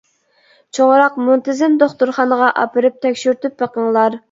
چوڭراق مۇنتىزىم دوختۇرخانىغا ئاپىرىپ تەكشۈرتۈپ بېقىڭلار.